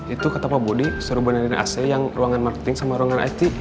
itu kata pak budi suruh benarin ac yang ruangan marketing sama ruangan it